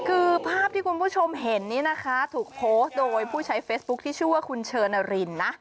คือภาพที่คุณผู้ชมเห็นนี่นะคะถูกโพสต์โดยผู้ใช้เฟซบุ๊คที่ชื่อว่าคุณเชิญนารินนะ